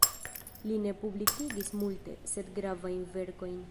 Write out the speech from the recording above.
Li ne publikigis multe, sed gravajn verkojn.